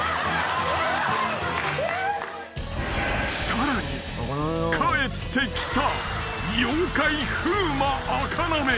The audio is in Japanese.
［さらに帰ってきた妖怪風磨あかなめ］